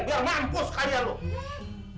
biar mampus kalian loh